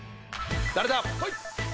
誰だ？